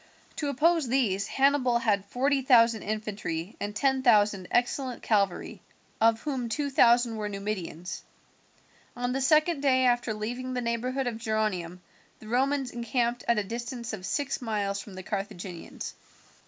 To oppose these Hannibal had forty thousand infantry and ten thousand excellent cavalry, of whom two thousand were Numidians. On the second day after leaving the neighbourhood of Geronium the Romans encamped at a distance of six miles from the Carthaginians.